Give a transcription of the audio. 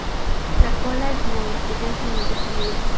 La cola es negra y densamente peluda.